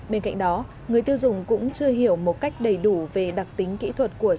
bên cạnh đó người tiêu dùng cũng chưa hiểu một cách đầy đủ về đặc tính kỹ thuật của xăng e năm